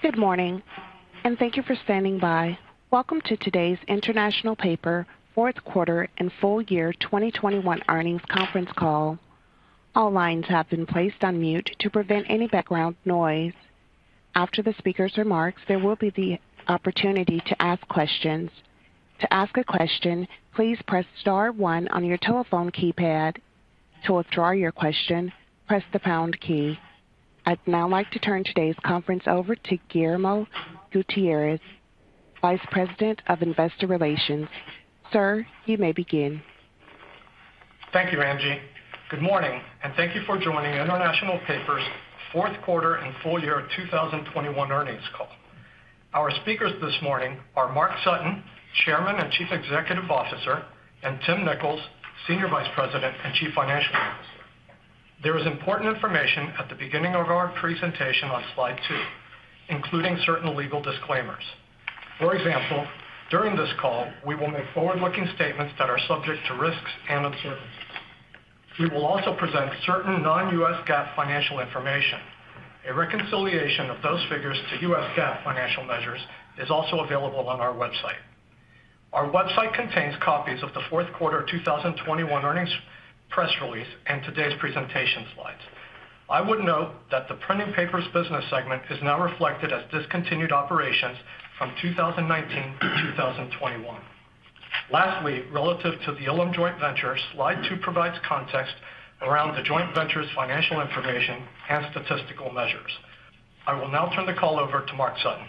Good morning, and thank you for standing by. Welcome to today's International Paper fourth quarter and full year 2021 earnings conference call. All lines have been placed on mute to prevent any background noise. After the speaker's remarks, there will be the opportunity to ask questions. To ask a question, please press star one on your telephone keypad. To withdraw your question, press the pound key. I'd now like to turn today's conference over to Guillermo Gutierrez, Vice President of Investor Relations. Sir, you may begin. Thank you, Angie. Good morning, and thank you for joining International Paper's fourth quarter and full year 2021 earnings call. Our speakers this morning are Mark Sutton, Chairman and Chief Executive Officer, and Tim Nicholls, Senior Vice President and Chief Financial Officer. There is important information at the beginning of our presentation on slide two, including certain legal disclaimers. For example, during this call, we will make forward-looking statements that are subject to risks and uncertainties. We will also present certain non-US GAAP financial information. A reconciliation of those figures to US GAAP financial measures is also available on our website. Our website contains copies of the fourth quarter 2021 earnings press release and today's presentation slides. I would note that the printing papers business segment is now reflected as discontinued operations from 2019 to 2021. Lastly, relative to the Ilim joint venture, Slide two provides context around the joint venture's financial information and statistical measures. I will now turn the call over to Mark Sutton.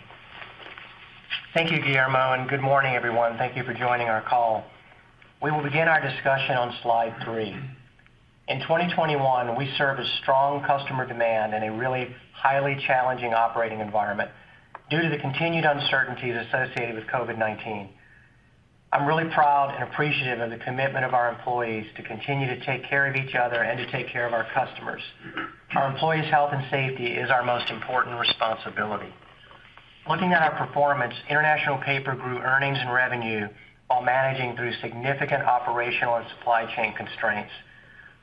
Thank you, Guillermo, and good morning, everyone. Thank you for joining our call. We will begin our discussion on slide three. In 2021, we served a strong customer demand in a really highly challenging operating environment due to the continued uncertainties associated with COVID-19. I'm really proud and appreciative of the commitment of our employees to continue to take care of each other and to take care of our customers. Our employees' health and safety is our most important responsibility. Looking at our performance, International Paper grew earnings and revenue while managing through significant operational and supply chain constraints.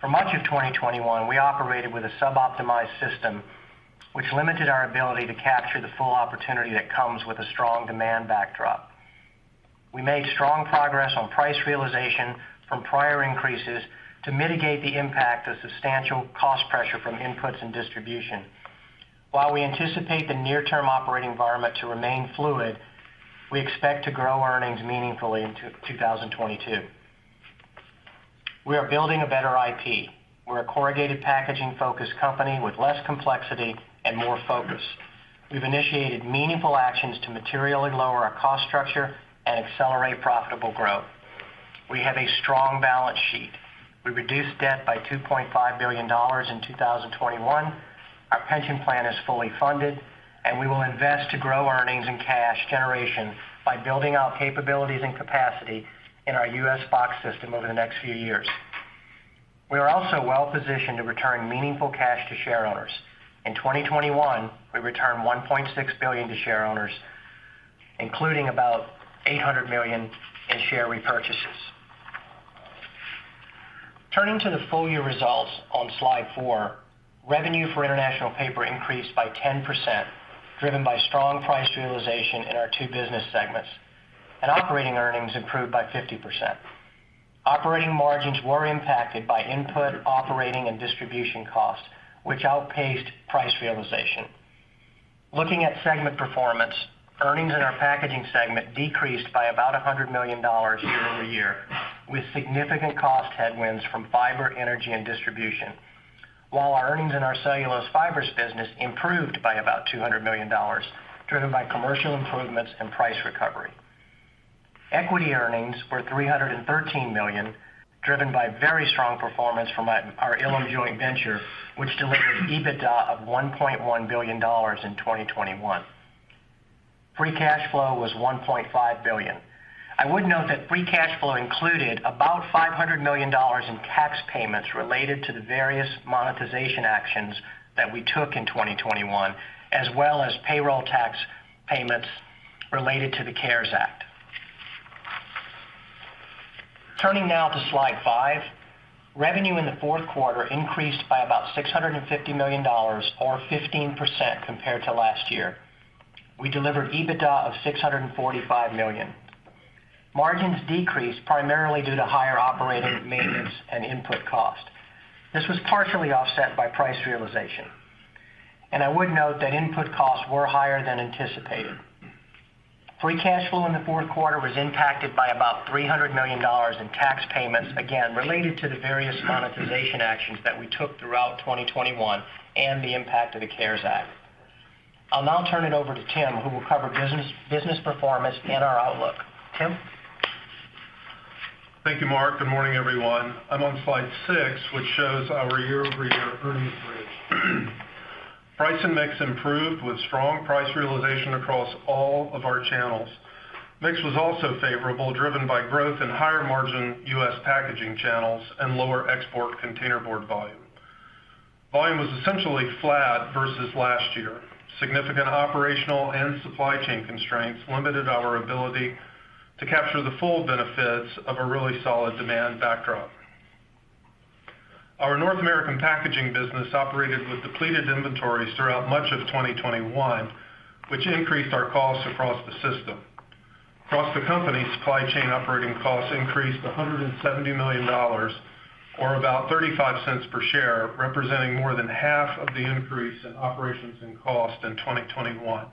For much of 2021, we operated with a sub-optimized system, which limited our ability to capture the full opportunity that comes with a strong demand backdrop. We made strong progress on price realization from prior increases to mitigate the impact of substantial cost pressure from inputs and distribution. While we anticipate the near-term operating environment to remain fluid, we expect to grow earnings meaningfully in 2022. We are building a Better IP. We're a corrugated packaging-focused company with less complexity and more focus. We've initiated meaningful actions to materially lower our cost structure and accelerate profitable growth. We have a strong balance sheet. We reduced debt by $2.5 billion in 2021. Our pension plan is fully funded, and we will invest to grow earnings and cash generation by building out capabilities and capacity in our U.S. box system over the next few years. We are also well-positioned to return meaningful cash to shareowners. In 2021, we returned $1.6 billion to shareowners, including about $800 million in share repurchases. Turning to the full-year results on slide four, revenue for International Paper increased by 10%, driven by strong price realization in our two business segments, and operating earnings improved by 50%. Operating margins were impacted by input, operating, and distribution costs, which outpaced price realization. Looking at segment performance, earnings in our packaging segment decreased by about $100 million year-over-year, with significant cost headwinds from fiber, energy, and distribution. While our earnings in our cellulose fibers business improved by about $200 million, driven by commercial improvements and price recovery. Equity earnings were $313 million, driven by very strong performance from our Ilim joint venture, which delivered EBITDA of $1.1 billion in 2021. Free cash flow was $1.5 billion. I would note that free cash flow included about $500 million in tax payments related to the various monetization actions that we took in 2021, as well as payroll tax payments related to the CARES Act. Turning now to slide five, revenue in the fourth quarter increased by about $650 million or 15% compared to last year. We delivered EBITDA of $645 million. Margins decreased primarily due to higher operating maintenance and input cost. This was partially offset by price realization. I would note that input costs were higher than anticipated. Free cash flow in the fourth quarter was impacted by about $300 million in tax payments, again, related to the various monetization actions that we took throughout 2021 and the impact of the CARES Act. I'll now turn it over to Tim, who will cover business performance and our outlook. Tim? Thank you, Mark. Good morning, everyone. I'm on slide six, which shows our year-over-year earnings bridge. Price and mix improved with strong price realization across all of our channels. Mix was also favorable, driven by growth in higher-margin U.S. Packaging channels and lower export containerboard volume. Volume was essentially flat versus last year. Significant operational and supply chain constraints limited our ability to capture the full benefits of a really solid demand backdrop. Our North American Packaging business operated with depleted inventories throughout much of 2021, which increased our costs across the system. Across the company, supply chain operating costs increased $170 million or about $0.35 per share, representing more than 1/2 of the increase in operations and costs in 2021.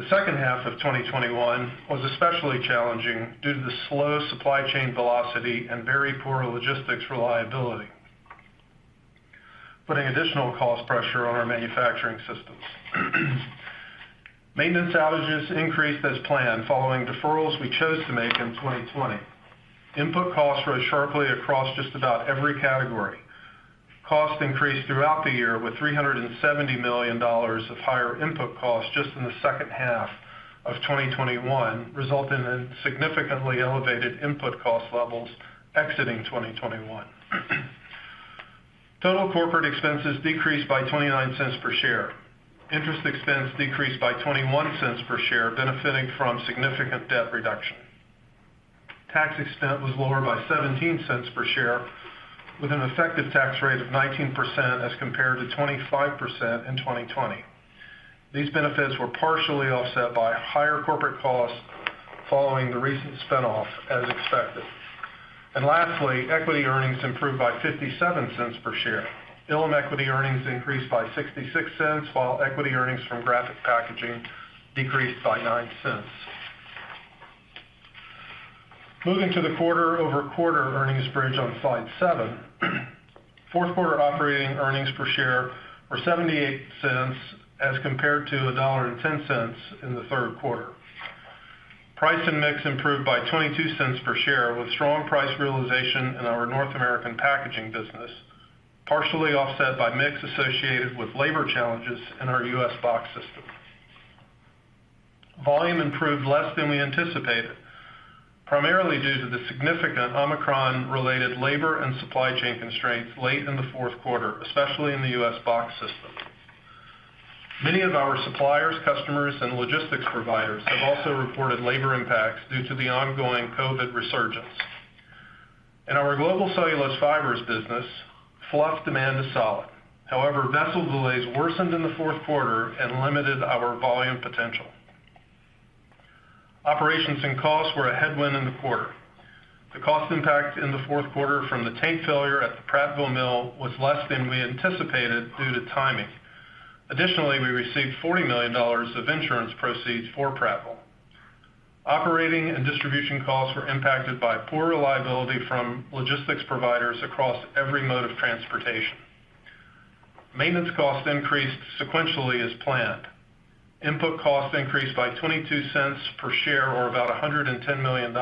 The H2 of 2021 was especially challenging due to the slow supply chain velocity and very poor logistics reliability, putting additional cost pressure on our manufacturing systems. Maintenance outages increased as planned following deferrals we chose to make in 2020. Input costs rose sharply across just about every category. Costs increased throughout the year with $370 million of higher input costs just in the H2 of 2021, resulting in significantly elevated input cost levels exiting 2021. Total corporate expenses decreased by $0.29 per share. Interest expense decreased by $0.21 per share, benefiting from significant debt reduction. Tax expense was lower by $0.17 per share, with an effective tax rate of 19% as compared to 25% in 2020. These benefits were partially offset by higher corporate costs following the recent spin-off, as expected. Lastly, equity earnings improved by $0.57 per share. Ilim equity earnings increased by $0.66, while equity earnings from Graphic Packaging decreased by $0.09. Moving to the quarter-over-quarter earnings bridge on slide 7. Fourth quarter operating earnings per share were $0.78 as compared to $1.10 in the third quarter. Price and mix improved by $0.22 per share with strong price realization in our North American packaging business, partially offset by mix associated with labor challenges in our U.S. box system. Volume improved less than we anticipated, primarily due to the significant Omicron-related labor and supply chain constraints late in the fourth quarter, especially in the U.S. box system. Many of our suppliers, customers, and logistics providers have also reported labor impacts due to the ongoing COVID resurgence. In our Global Cellulose Fibers business, fluff demand is solid. However, vessel delays worsened in the fourth quarter and limited our volume potential. Operations and costs were a headwind in the quarter. The cost impact in the fourth quarter from the tank failure at the Prattville mill was less than we anticipated due to timing. Additionally, we received $40 million of insurance proceeds for Prattville. Operating and distribution costs were impacted by poor reliability from logistics providers across every mode of transportation. Maintenance costs increased sequentially as planned. Input costs increased by $0.22 per share or about $110 million,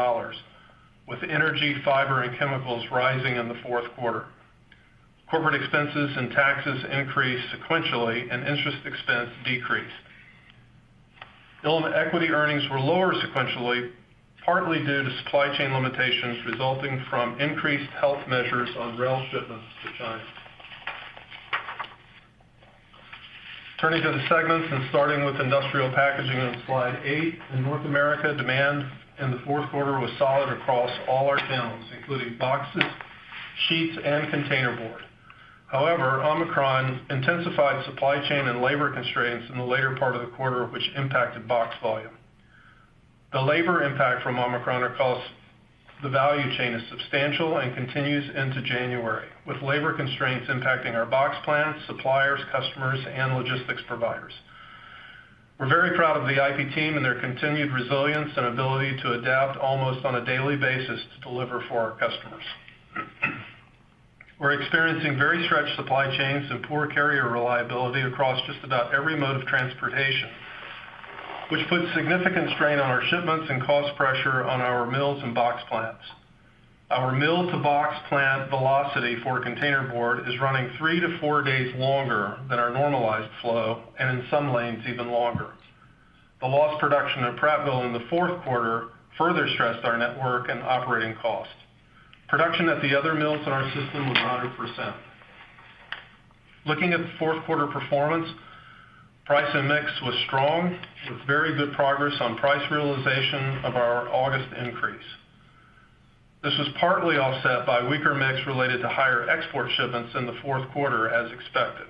with energy, fiber, and chemicals rising in the fourth quarter. Corporate expenses and taxes increased sequentially, and interest expense decreased. Ilim equity earnings were lower sequentially, partly due to supply chain limitations resulting from increased health measures on rail shipments to China. Turning to the segments and starting with Industrial Packaging on slide eight. In North America, demand in the fourth quarter was solid across all our channels, including boxes, sheets, and containerboard. However, Omicron intensified supply chain and labor constraints in the later part of the quarter, which impacted box volume. The labor impact from Omicron across the value chain is substantial and continues into January, with labor constraints impacting our box plants, suppliers, customers, and logistics providers. We're very proud of the IP team and their continued resilience and ability to adapt almost on a daily basis to deliver for our customers. We're experiencing very stretched supply chains and poor carrier reliability across just about every mode of transportation, which puts significant strain on our shipments and cost pressure on our mills and box plants. Our mill-to-box plant velocity for containerboard is running three to four days longer than our normalized flow, and in some lanes, even longer. The lost production at Prattville in the fourth quarter further stressed our network and operating costs. Production at the other mills in our system was 100%. Looking at the fourth quarter performance, price and mix was strong, with very good progress on price realization of our August increase. This was partly offset by weaker mix related to higher export shipments in the fourth quarter as expected.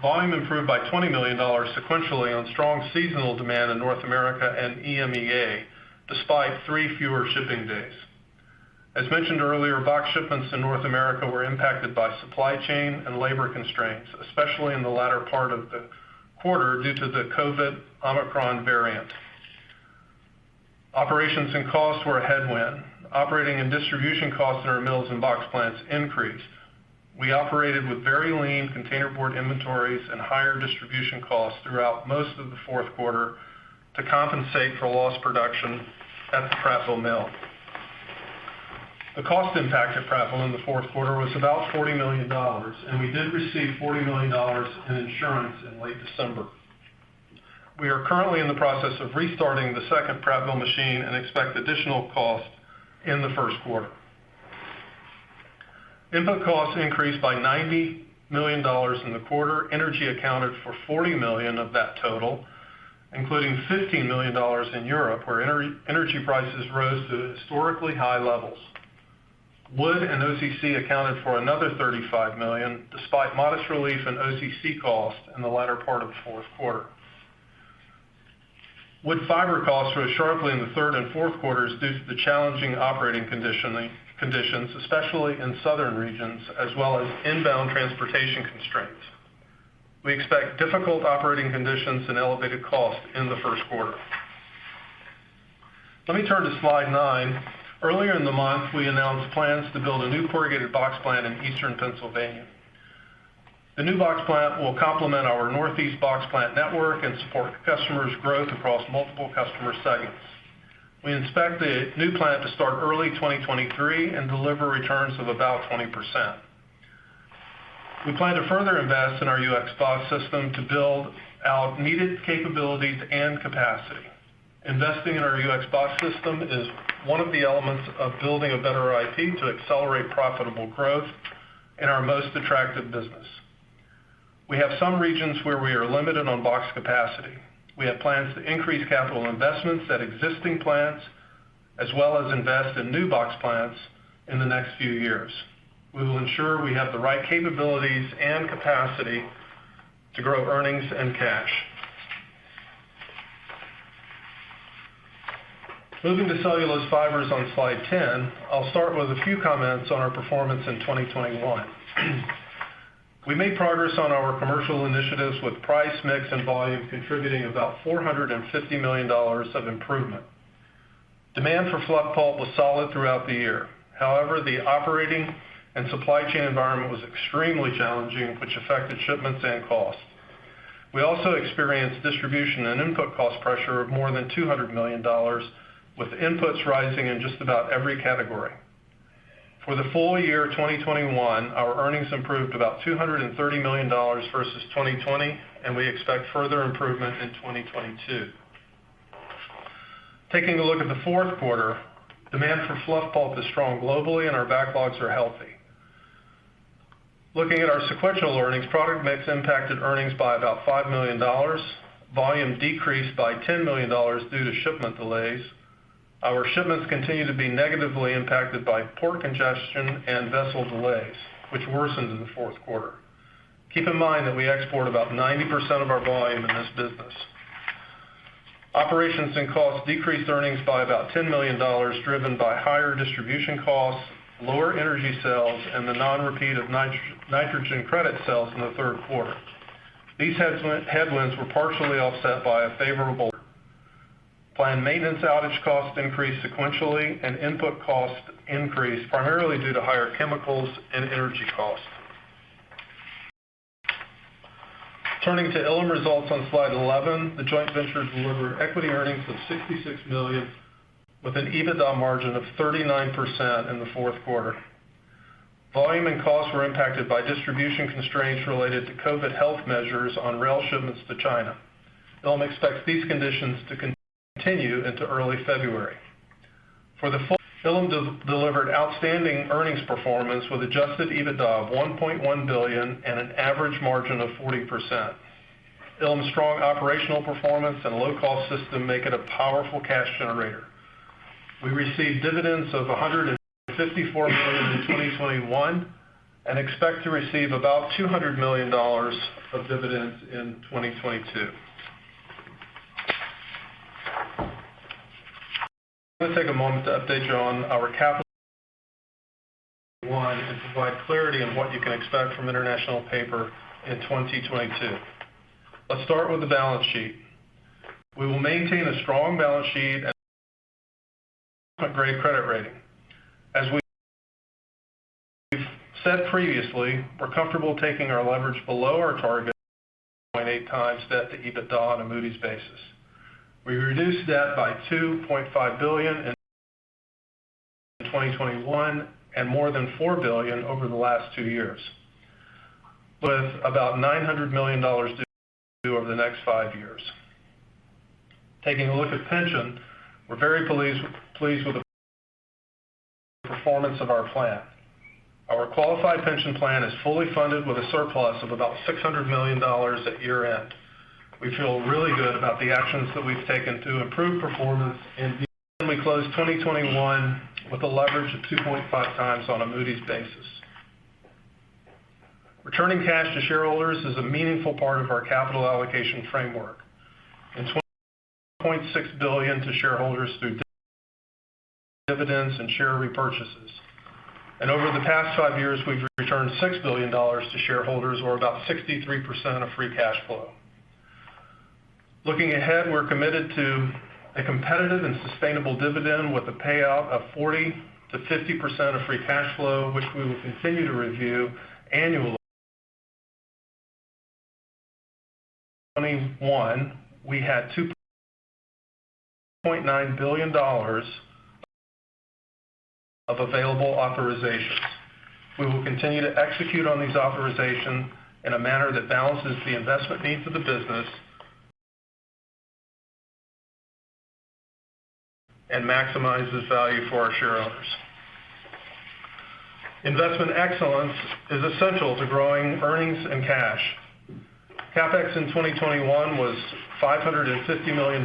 Volume improved by $20 million sequentially on strong seasonal demand in North America and EMEA, despite three fewer shipping days. As mentioned earlier, box shipments in North America were impacted by supply chain and labor constraints, especially in the latter part of the quarter, due to the COVID-19 Omicron variant. Operations and costs were a headwind. Operating and distribution costs in our mills and box plants increased. We operated with very lean containerboard inventories and higher distribution costs throughout most of the fourth quarter to compensate for lost production at the Prattville mill. The cost impact at Prattville in the fourth quarter was about $40 million, and we did receive $40 million in insurance in late December. We are currently in the process of restarting the second Prattville machine and expect additional costs in the first quarter. Input costs increased by $90 million in the quarter. Energy accounted for $40 million of that total, including $15 million in Europe, where energy prices rose to historically high levels. Wood and OCC accounted for another $35 million, despite modest relief in OCC costs in the latter part of the fourth quarter. Wood fiber costs rose sharply in the third and fourth quarters due to the challenging operating conditions, especially in southern regions, as well as inbound transportation constraints. We expect difficult operating conditions and elevated costs in the first quarter. Let me turn to slide nine. Earlier in the month, we announced plans to build a new corrugated box plant in eastern Pennsylvania. The new box plant will complement our Northeast box plant network and support customers' growth across multiple customer segments. We expect the new plant to start early 2023 and deliver returns of about 20%. We plan to further invest in our US box system to build out needed capabilities and capacity. Investing in our US box system is one of the elements of building a Better IP to accelerate profitable growth in our most attractive business. We have some regions where we are limited on box capacity. We have plans to increase capital investments at existing plants as well as invest in new box plants in the next few years. We will ensure we have the right capabilities and capacity to grow earnings and cash. Moving to cellulose fibers on slide 10, I'll start with a few comments on our performance in 2021. We made progress on our commercial initiatives with price, mix, and volume contributing about $450 million of improvement. Demand for fluff pulp was solid throughout the year. However, the operating and supply chain environment was extremely challenging, which affected shipments and costs. We also experienced distribution and input cost pressure of more than $200 million, with inputs rising in just about every category. For the full year 2021, our earnings improved about $230 million versus 2020, and we expect further improvement in 2022. Taking a look at the fourth quarter, demand for fluff pulp is strong globally, and our backlogs are healthy. Looking at our sequential earnings, product mix impacted earnings by about $5 million. Volume decreased by $10 million due to shipment delays. Our shipments continue to be negatively impacted by port congestion and vessel delays, which worsened in the fourth quarter. Keep in mind that we export about 90% of our volume in this business. Operations and costs decreased earnings by about $10 million, driven by higher distribution costs, lower energy sales, and the non-repeat of nitrogen credit sales in the third quarter. These headwinds were partially offset by a favorable. Planned maintenance outage costs increased sequentially and input costs increased primarily due to higher chemicals and energy costs. Turning to Ilim results on slide 11, the joint ventures delivered equity earnings of $66 million with an EBITDA margin of 39% in the fourth quarter. Volume and costs were impacted by distribution constraints related to COVID health measures on rail shipments to China. Ilim expects these conditions to continue into early February. Ilim delivered outstanding earnings performance with adjusted EBITDA of $1.1 billion and an average margin of 40%. Ilim's strong operational performance and low-cost system make it a powerful cash generator. We received dividends of $154 million in 2021 and expect to receive about $200 million of dividends in 2022. I'm gonna take a moment to update you on our capital and provide clarity on what you can expect from International Paper in 2022. Let's start with the balance sheet. We will maintain a strong balance sheet and a great credit rating. As we've said previously, we're comfortable taking our leverage below our target 0.8x debt to EBITDA on a Moody's basis. We reduced debt by $2.5 billion in 2021 and more than $4 billion over the last two years, with about $900 million due over the next five years. Taking a look at pension, we're very pleased with the performance of our plan. Our qualified pension plan is fully funded with a surplus of about $600 million at year-end. We feel really good about the actions that we've taken to improve performance and we closed 2021 with a leverage of 2.5 times on a Moody's basis. Returning cash to shareholders is a meaningful part of our capital allocation framework. In 2021, we returned $0.6 billion to shareholders through dividends and share repurchases. Over the past five years, we've returned $6 billion to shareholders or about 63% of free cash flow. Looking ahead, we're committed to a competitive and sustainable dividend with a payout of 40%-50% of free cash flow, which we will continue to review annually. In 2021, we had $2.9 billion of available authorizations. We will continue to execute on these authorizations in a manner that balances the investment needs of the business and maximize the value for our shareowners. Investment excellence is essential to growing earnings and cash. CapEx in 2021 was $550 million,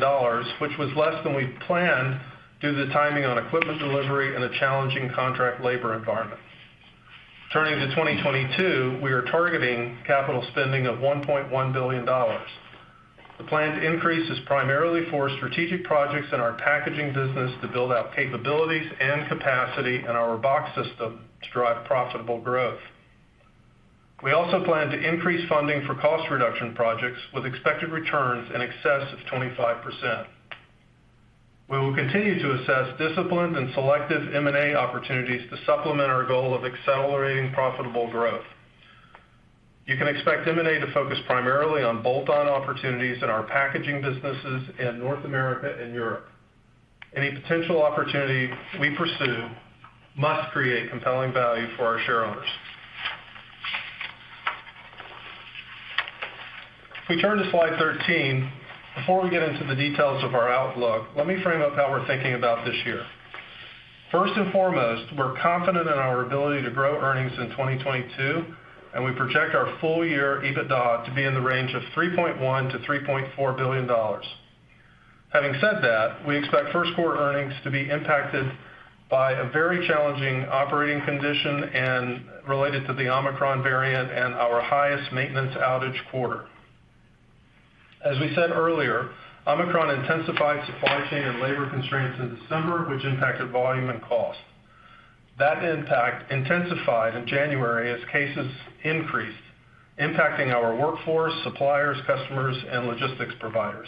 which was less than we planned due to the timing on equipment delivery and the challenging contract labor environment. Turning to 2022, we are targeting capital spending of $1.1 billion. The planned increase is primarily for strategic projects in our packaging business to build out capabilities and capacity in our box system to drive profitable growth. We also plan to increase funding for cost reduction projects with expected returns in excess of 25%. We will continue to assess disciplined and selective M&A opportunities to supplement our goal of accelerating profitable growth. You can expect M&A to focus primarily on bolt-on opportunities in our packaging businesses in North America and Europe. Any potential opportunity we pursue must create compelling value for our shareowners. If we turn to slide 13. Before we get into the details of our outlook, let me frame up how we're thinking about this year. First and foremost, we're confident in our ability to grow earnings in 2022, and we project our full year EBITDA to be in the range of $3.1 billion-$3.4 billion. Having said that, we expect first quarter earnings to be impacted by a very challenging operating condition and related to the Omicron variant and our highest maintenance outage quarter. As we said earlier, Omicron intensified supply chain and labor constraints in December, which impacted volume and cost. That impact intensified in January as cases increased, impacting our workforce, suppliers, customers, and logistics providers.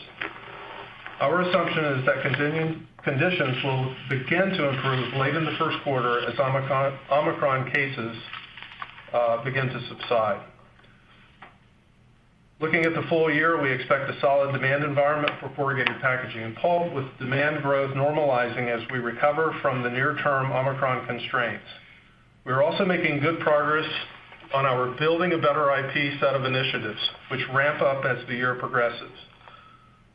Our assumption is that continuing conditions will begin to improve late in the first quarter as Omicron cases begin to subside. Looking at the full year, we expect a solid demand environment for corrugated packaging, coupled with demand growth normalizing as we recover from the near-term Omicron constraints. We are also making good progress on our Build a Better IP set of initiatives, which ramp up as the year progresses.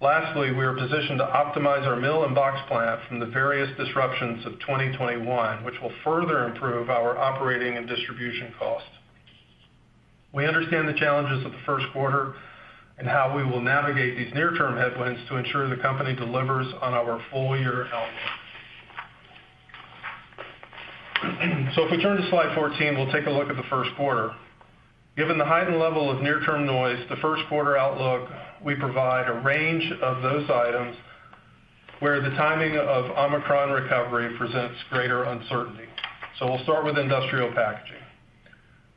Lastly, we are positioned to optimize our mill and box plant from the various disruptions of 2021, which will further improve our operating and distribution costs. We understand the challenges of the first quarter and how we will navigate these near-term headwinds to ensure the company delivers on our full-year outlook. If we turn to slide 14, we'll take a look at the first quarter. Given the heightened level of near-term noise, the first quarter outlook, we provide a range of those items where the timing of Omicron recovery presents greater uncertainty. We'll start with industrial packaging.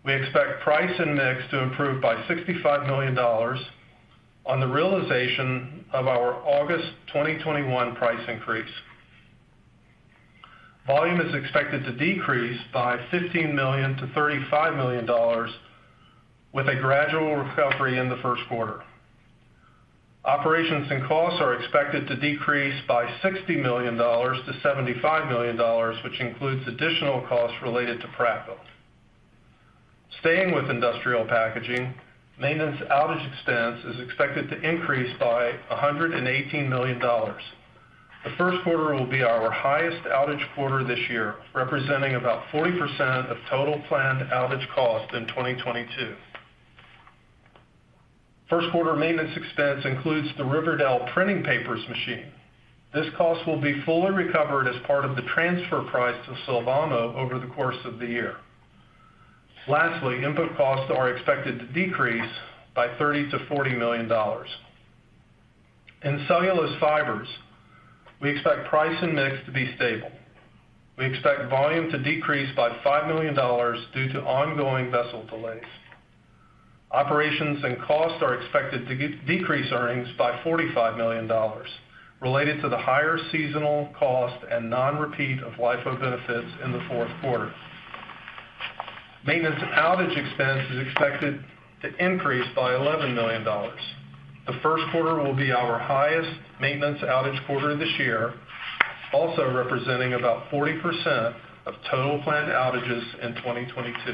We expect price and mix to improve by $65 million on the realization of our August 2021 price increase. Volume is expected to decrease by $15 million-$35 million with a gradual recovery in the first quarter. Operations and costs are expected to decrease by $60 million-$75 million, which includes additional costs related to Prattville. Staying with industrial packaging, maintenance outage expense is expected to increase by $118 million. The first quarter will be our highest outage quarter this year, representing about 40% of total planned outage cost in 2022. First quarter maintenance expense includes the Riverdale Printing Papers machine. This cost will be fully recovered as part of the transfer price to Sylvamo over the course of the year. Lastly, input costs are expected to decrease by $30 million-$40 million. In cellulose fibers, we expect price and mix to be stable. We expect volume to decrease by $5 million due to ongoing vessel delays. Operations and costs are expected to decrease earnings by $45 million related to the higher seasonal cost and non-repeat of LIFO benefits in the fourth quarter. Maintenance outage expense is expected to increase by $11 million. The first quarter will be our highest maintenance outage quarter this year, also representing about 40% of total planned outages in 2022.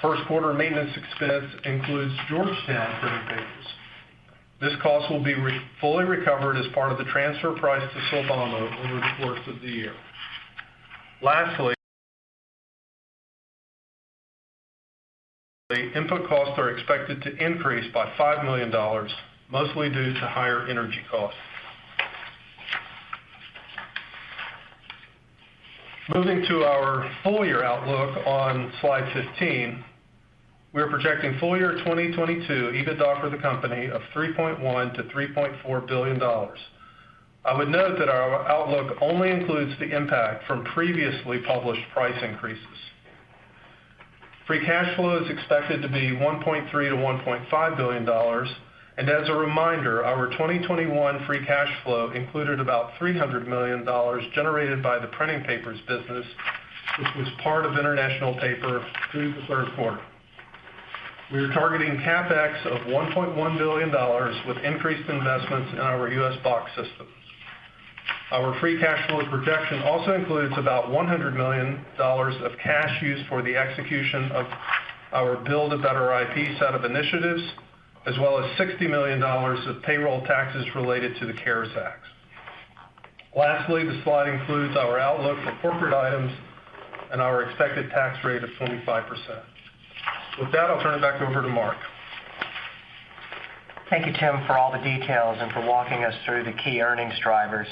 First quarter maintenance expense includes Georgetown Printing Papers. This cost will be fully recovered as part of the transfer price to Sylvamo over the course of the year. Lastly, input costs are expected to increase by $5 million, mostly due to higher energy costs. Moving to our full-year outlook on slide 15. We are projecting full-year 2022 EBITDA for the company of $3.1 billion-$3.4 billion. I would note that our outlook only includes the impact from previously published price increases. Free cash flow is expected to be $1.3 billion-$1.5 billion. As a reminder, our 2021 free cash flow included about $300 million generated by the printing papers business, which was part of International Paper through the third quarter. We are targeting CapEx of $1.1 billion with increased investments in our U.S. box system. Our free cash flow projection also includes about $100 million of cash used for the execution of our Build a Better IP set of initiatives, as well as $60 million of payroll taxes related to the CARES Act. Lastly, the slide includes our outlook for corporate items and our expected tax rate of 25%. With that, I'll turn it back over to Mark. Thank you, Tim, for all the details and for walking us through the key earnings drivers.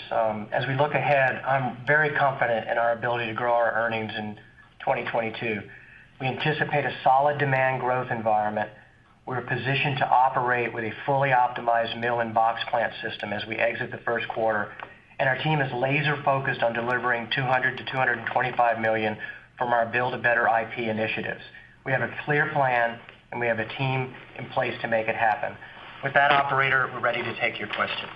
As we look ahead, I'm very confident in our ability to grow our earnings in 2022. We anticipate a solid demand growth environment. We're positioned to operate with a fully optimized mill and box plant system as we exit the first quarter, and our team is laser-focused on delivering $200 million-$225 million from our Build a Better IP initiatives. We have a clear plan, and we have a team in place to make it happen. With that, operator, we're ready to take your questions.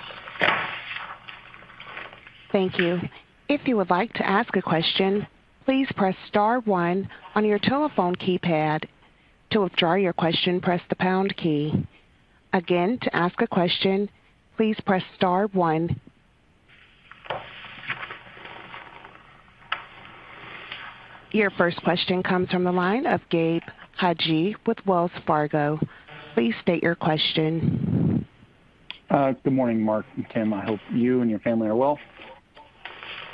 Thank you. If you would like to ask a question, please press star one on your telephone keypad. To withdraw your question, press the pound key. Again, to ask a question, please press star one. Your first question comes from the line of Gabe Hajde with Wells Fargo. Please state your question. Good morning, Mark and Tim. I hope you and your family are well.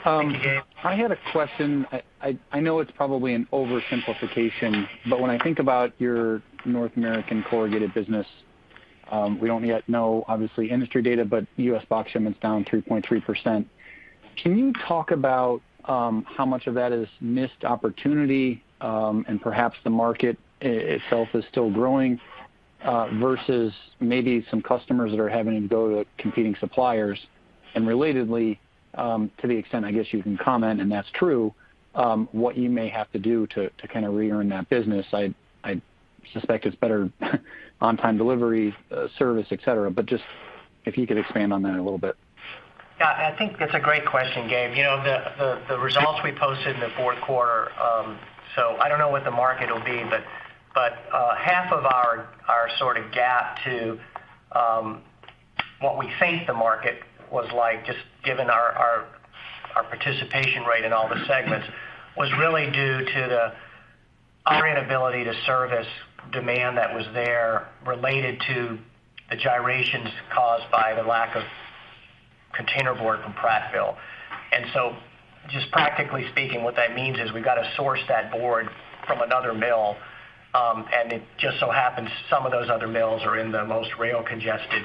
Thank you, Gabe. I had a question. I know it's probably an oversimplification, but when I think about your North American corrugated business, we don't yet know obviously industry data, but U.S. box shipment is down 3.3%. Can you talk about how much of that is missed opportunity, and perhaps the market itself is still growing versus maybe some customers that are having to go to competing suppliers? Relatedly, to the extent, I guess, you can comment, and that's true, what you may have to do to kind of re-earn that business. I suspect it's better on-time delivery, service, et cetera, but just if you could expand on that a little bit. Yeah. I think that's a great question, Gabe. You know, the results we posted in the fourth quarter, so I don't know what the market will be, but half of our sort of gap to what we think the market was like, just given our participation rate in all the segments, was really due to our inability to service demand that was there related to the gyrations caused by the lack of containerboard from Prattville. Just practically speaking, what that means is we've got to source that board from another mill. It just so happens some of those other mills are in the most rail-congested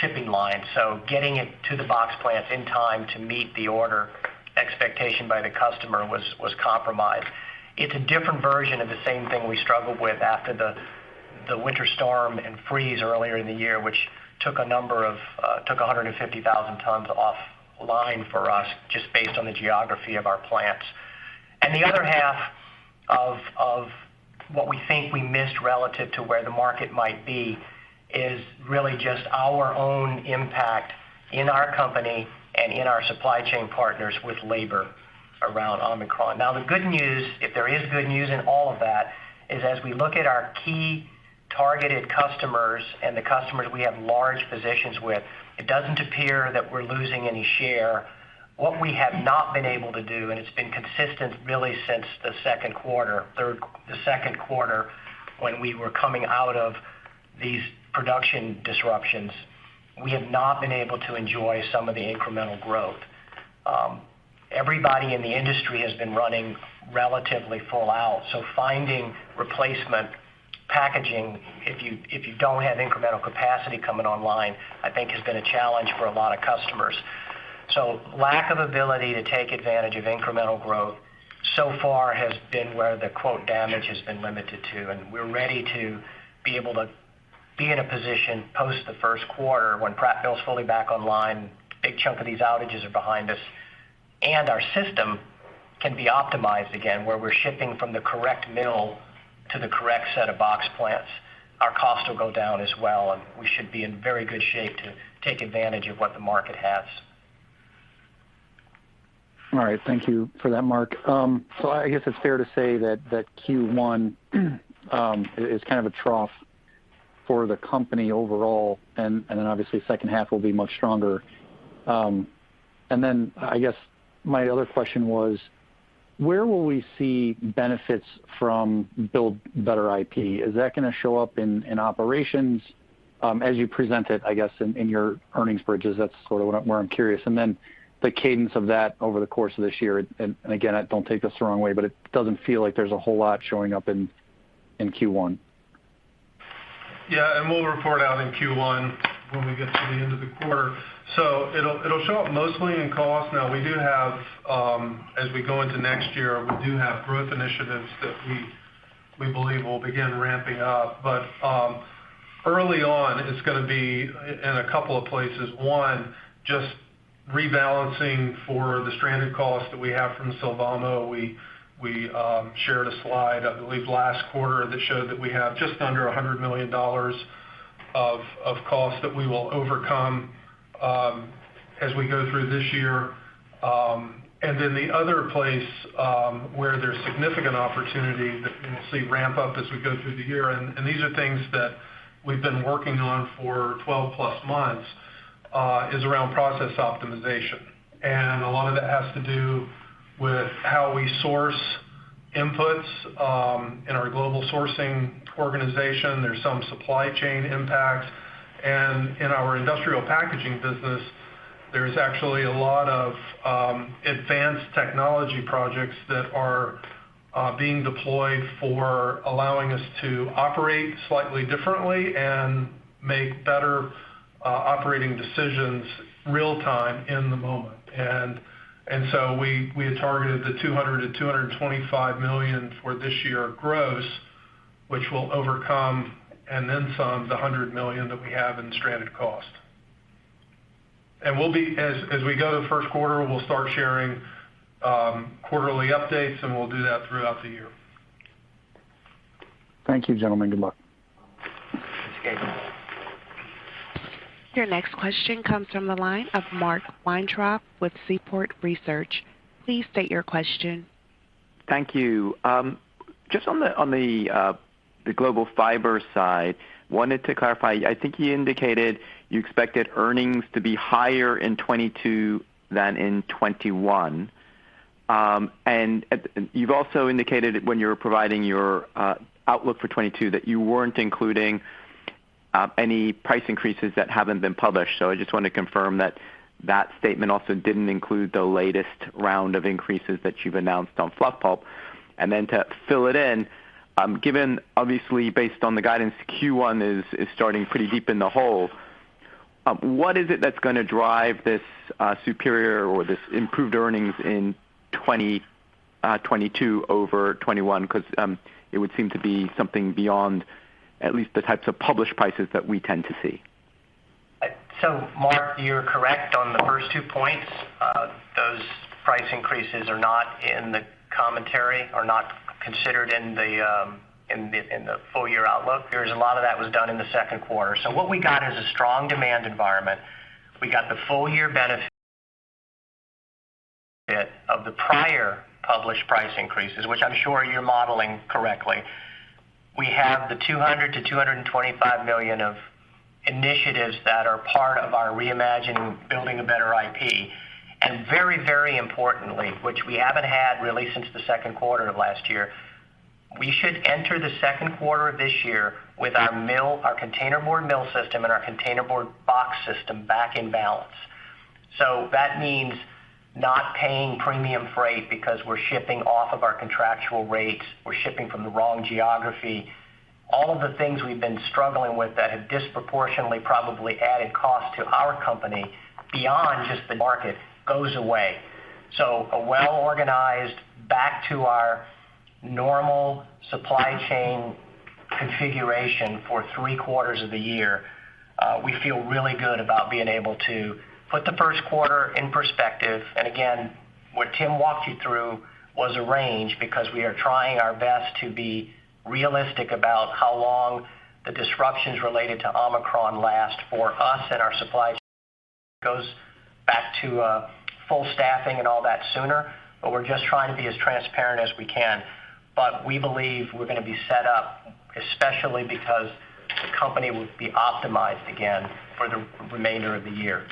shipping line. Getting it to the box plants in time to meet the order expectation by the customer was compromised. It's a different version of the same thing we struggled with after the winter storm and freeze earlier in the year, which took 150,000 tons offline for us just based on the geography of our plants. The other 1/2 of what we think we missed relative to where the market might be is really just our own impact in our company and in our supply chain partners with labor around Omicron. Now, the good news, if there is good news in all of that, is as we look at our key targeted customers and the customers we have large positions with, it doesn't appear that we're losing any share. What we have not been able to do, and it's been consistent really since the second quarter when we were coming out of these production disruptions, we have not been able to enjoy some of the incremental growth. Everybody in the industry has been running relatively full out, so finding replacement packaging if you don't have incremental capacity coming online, I think has been a challenge for a lot of customers. Lack of ability to take advantage of incremental growth so far has been where the growth damage has been limited to, and we're ready to be able to be in a position post the first quarter when Prattville is fully back online, big chunk of these outages are behind us, and our system can be optimized again, where we're shipping from the correct mill to the correct set of box plants. Our costs will go down as well, and we should be in very good shape to take advantage of what the market has. All right. Thank you for that, Mark. I guess it's fair to say that Q1 is kind of a trough for the company overall, and then obviously H2 will be much stronger. I guess my other question was, where will we see benefits from Build a Better IP? Is that gonna show up in operations as you present it, I guess in your earnings bridges? That's sort of where I'm curious. Then the cadence of that over the course of this year. Again, don't take this the wrong way, but it doesn't feel like there's a whole lot showing up in Q1. Yeah. We'll report out in Q1 when we get to the end of the quarter. It'll show up mostly in cost. Now we do have, as we go into next year, we do have growth initiatives that we believe will begin ramping up. Early on, it's gonna be in a couple of places. One, just rebalancing for the stranded costs that we have from Sylvamo. We shared a slide, I believe, last quarter that showed that we have just under $100 million of costs that we will overcome, as we go through this year. Then the other place where there's significant opportunity that you will see ramp up as we go through the year, and these are things that we've been working on for 12+ months is around process optimization. A lot of it has to do with how we source. Inputs in our global sourcing organization, there's some supply chain impacts. In our industrial packaging business, there's actually a lot of advanced technology projects that are being deployed for allowing us to operate slightly differently and make better operating decisions real time in the moment. So we had targeted the $200 million-$225 million for this year gross, which will overcome and then some, the $100 million that we have in stranded cost. As we go to the first quarter, we'll start sharing quarterly updates, and we'll do that throughout the year. Thank you, gentlemen. Good luck. Thanks, Gabe. Your next question comes from the line of Mark Weintraub with Seaport Research. Please state your question. Thank you. Just on the global fiber side, wanted to clarify. I think you indicated you expected earnings to be higher in 2022 than in 2021. You've also indicated when you were providing your outlook for 2022 that you weren't including any price increases that haven't been published. I just wanted to confirm that that statement also didn't include the latest round of increases that you've announced on fluff pulp. To fill it in, given obviously based on the guidance Q1 is starting pretty deep in the hole, what is it that's gonna drive this superior or this improved earnings in 2022 over 2021? Because it would seem to be something beyond at least the types of published prices that we tend to see. Mark, you're correct on the first two points. Those price increases are not in the commentary, are not considered in the full year outlook. There's a lot of that was done in the second quarter. What we got is a strong demand environment. We got the full year benefit of the prior published price increases, which I'm sure you're modeling correctly. We have the $200 million-$225 million of initiatives that are part of our reimagining Build a Better IP. Very, very importantly, which we haven't had really since the second quarter of last year, we should enter the second quarter of this year with our mill, our containerboard mill system and our containerboard box system back in balance. That means not paying premium freight because we're shipping off of our contractual rates. We're shipping from the wrong geography. All of the things we've been struggling with that have disproportionately probably added cost to our company beyond just the market goes away. A well-organized back to our normal supply chain configuration for three quarters of the year, we feel really good about being able to put the first quarter in perspective. What Tim walked you through was a range because we are trying our best to be realistic about how long the disruptions related to Omicron last for us and our supply goes back to full staffing and all that sooner, but we're just trying to be as transparent as we can. We believe we're gonna be set up, especially because the company will be optimized again for the remainder of the year.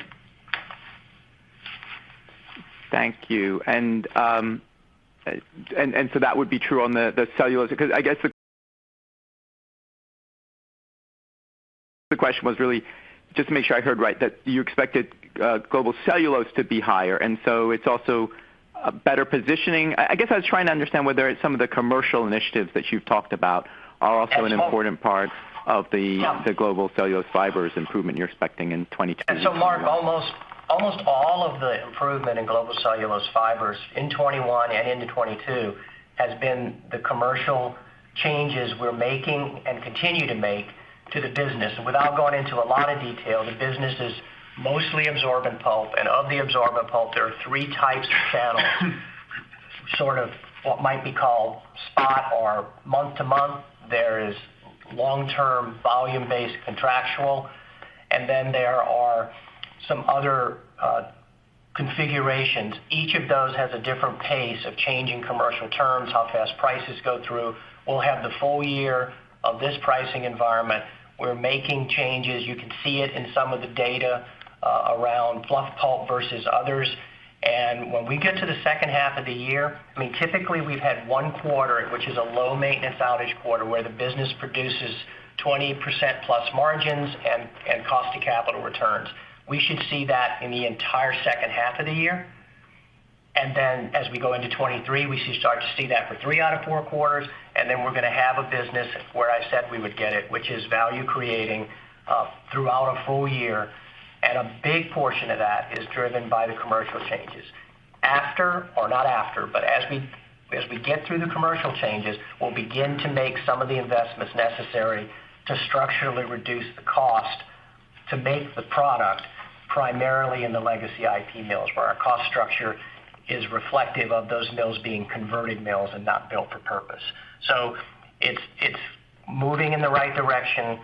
Thank you. That would be true on the cellulose? Because I guess the question was really just to make sure I heard right, that you expected global cellulose to be higher, and so it's also a better positioning. I guess I was trying to understand whether some of the commercial initiatives that you've talked about are also an important part of the Sure. the global cellulose fibers improvement you're expecting in 2022. Mark, almost all of the improvement in global cellulose fibers in 2021 and into 2022 has been the commercial changes we're making and continue to make to the business. Without going into a lot of detail, the business is mostly absorbent pulp. Of the absorbent pulp, there are three types of channels, sort of what might be called spot or month to month. There is long-term volume-based contractual, and then there are some other configurations. Each of those has a different pace of changing commercial terms, how fast prices go through. We'll have the full year of this pricing environment. We're making changes. You can see it in some of the data around fluff pulp versus others. When we get to the H2 of the year, I mean, typically we've had one quarter, which is a low maintenance outage quarter, where the business produces 20% plus margins and cost to capital returns. We should see that in the entire H2 of the year. Then as we go into 2023, we should start to see that for three out of four quarters, and then we're gonna have a business where I said we would get it, which is value creating, throughout a full year. A big portion of that is driven by the commercial changes. As we get through the commercial changes, we'll begin to make some of the investments necessary to structurally reduce the cost to make the product primarily in the legacy IP mills, where our cost structure is reflective of those mills being converted mills and not built for purpose. It's moving in the right direction.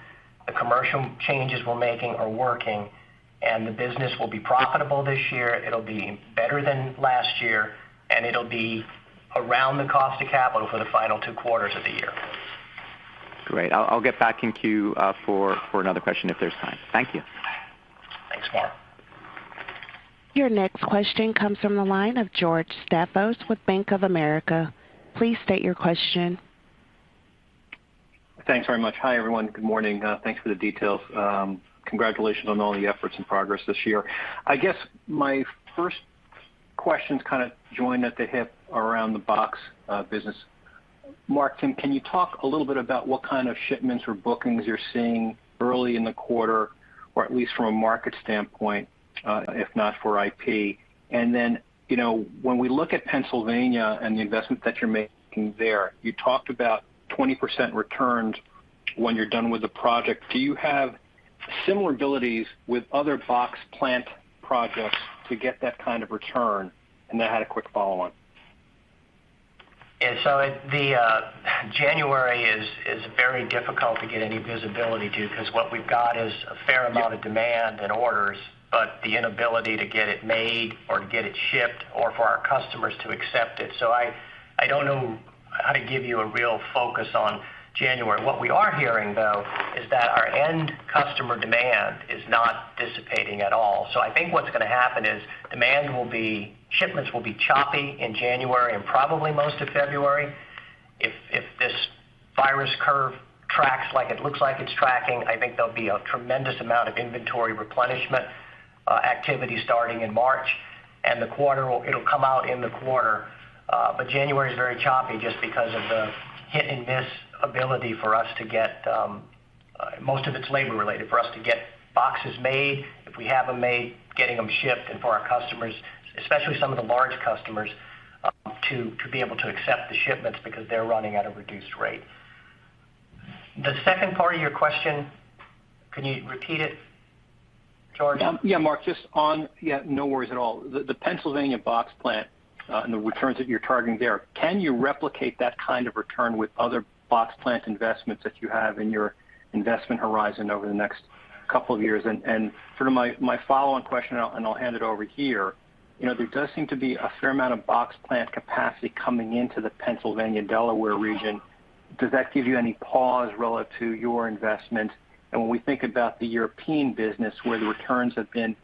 The commercial changes we're making are working, and the business will be profitable this year. It'll be better than last year, and it'll be around the cost of capital for the final two quarters of the year. Great. I'll get back in queue for another question if there's time. Thank you. Thanks, Mark. Your next question comes from the line of George Staphos with Bank of America. Please state your question. Thanks very much. Hi, everyone. Good morning. Thanks for the details. Congratulations on all the efforts and progress this year. I guess my first questions kind of joined at the hip around the box business. Mark, can you talk a little bit about what kind of shipments or bookings you're seeing early in the quarter, or at least from a market standpoint, if not for IP? And then, you know, when we look at Pennsylvania and the investments that you're making there, you talked about 20% returns when you're done with the project. Do you have similar abilities with other box plant projects to get that kind of return? And I had a quick follow on. January is very difficult to get any visibility to because what we've got is a fair amount of demand and orders, but the inability to get it made or get it shipped or for our customers to accept it. I don't know how to give you a real focus on January. What we are hearing, though, is that our end customer demand is not dissipating at all. I think what's going to happen is shipments will be choppy in January and probably most of February. If this virus curve tracks like it looks like it's tracking, I think there'll be a tremendous amount of inventory replenishment activity starting in March. It'll come out in the quarter. January is very choppy just because of the hit-and-miss ability for us to get, most of it's labor related, for us to get boxes made. If we have them made, getting them shipped and for our customers, especially some of the large customers, to be able to accept the shipments because they're running at a reduced rate. The second part of your question, can you repeat it, George? Yeah, Mark, just on. Yeah, no worries at all. The Pennsylvania box plant and the returns that you're targeting there, can you replicate that kind of return with other box plant investments that you have in your investment horizon over the next couple of years? And sort of my follow-on question, and I'll hand it over here. You know, there does seem to be a fair amount of box plant capacity coming into the Pennsylvania-Delaware region. Does that give you any pause relative to your investment? And when we think about the European business, where the returns have been,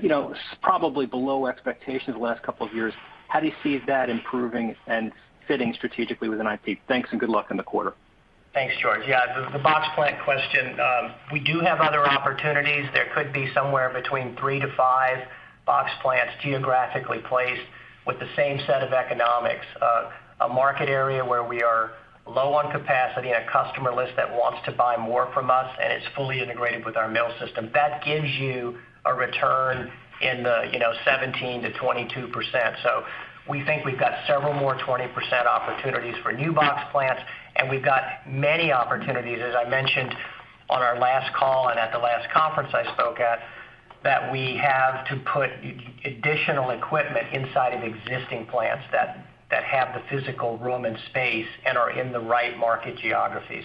you know, probably below expectations the last couple of years, how do you see that improving and fitting strategically within IP? Thanks and good luck in the quarter. Thanks, George. Yeah, the box plant question, we do have other opportunities. There could be somewhere between three to five box plants geographically placed with the same set of economics, a market area where we are low on capacity and a customer list that wants to buy more from us, and it's fully integrated with our mill system. That gives you a return in the, you know, 17%-22%. We think we've got several more 20% opportunities for new box plants, and we've got many opportunities, as I mentioned on our last call and at the last conference I spoke at, that we have to put additional equipment inside of existing plants that have the physical room and space and are in the right market geographies.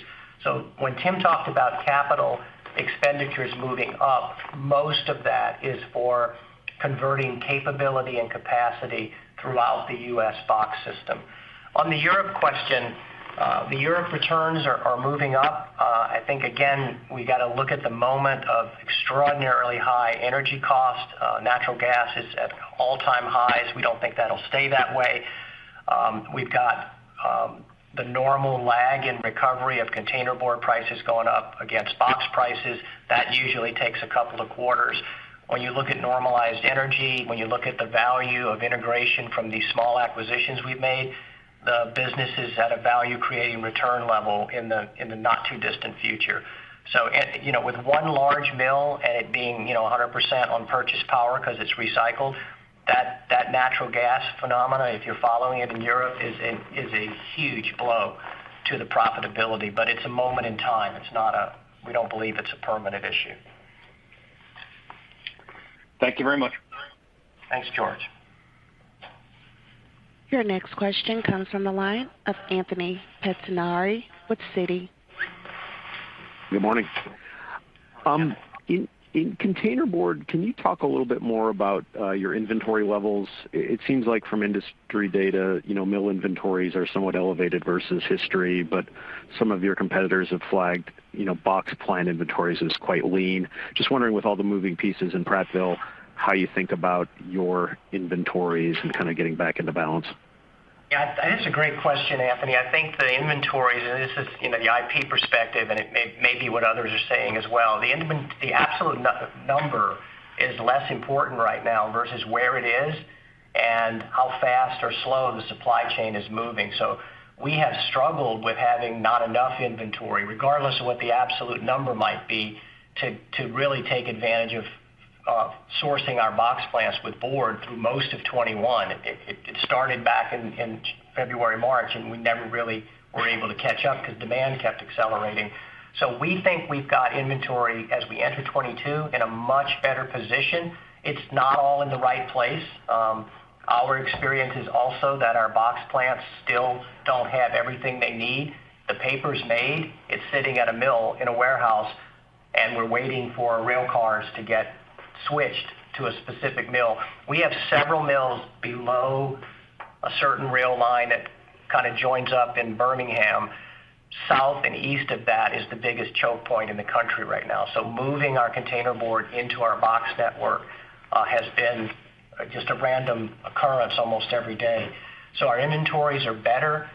When Tim talked about capital expenditures moving up, most of that is for converting capability and capacity throughout the U.S. box system. On the Europe question, the Europe returns are moving up. I think, again, we got to look at the moment of extraordinarily high energy cost. Natural gas is at all-time highs. We don't think that'll stay that way. We've got the normal lag in recovery of containerboard prices going up against box prices. That usually takes a couple of quarters. When you look at normalized energy, when you look at the value of integration from these small acquisitions we've made, the business is at a value-creating return level in the not too distant future. You know, with one large mill and it being, you know, 100% on purchased power because it's recycled, that natural gas phenomenon, if you're following it in Europe, is a huge blow to the profitability. It's a moment in time. We don't believe it's a permanent issue. Thank you very much. Thanks, George. Your next question comes from the line of Anthony Pettinari with Citi. Good morning. In containerboard, can you talk a little bit more about your inventory levels? It seems like from industry data, you know, mill inventories are somewhat elevated versus history, but some of your competitors have flagged, you know, box plant inventories as quite lean. Just wondering, with all the moving pieces in Prattville, how you think about your inventories and kind of getting back into balance. Yeah, that's a great question, Anthony. I think the inventories, and this is, you know, the IP perspective, and it may be what others are saying as well. The absolute number is less important right now versus where it is and how fast or slow the supply chain is moving. We have struggled with having not enough inventory, regardless of what the absolute number might be, to really take advantage of sourcing our box plants with board through most of 2021. It started back in February, March, and we never really were able to catch up because demand kept accelerating. We think we've got inventory as we enter 2022 in a much better position. It's not all in the right place. Our experience is also that our box plants still don't have everything they need. The paper's made. It's sitting at a mill in a warehouse, and we're waiting for rail cars to get switched to a specific mill. We have several mills below a certain rail line that kind of joins up in Birmingham, south and east of that is the biggest choke point in the country right now. Moving our containerboard into our box network has been just a random occurrence almost every day. Our inventories are better,